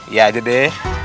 iya aja deh